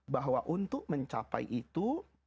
bahwa untuk mencapai itu